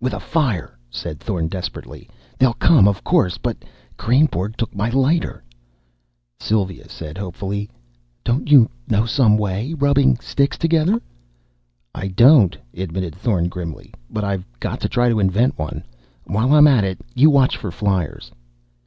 "With a fire," said Thorn desperately, "they'll come! Of course! But Kreynborg took my lighter!" Sylva said hopefully: "Don't you know some way? Rubbing sticks together?" "I don't," admitted Thorn grimly, "but I've got to try to invent one. While I'm at it, you watch for fliers."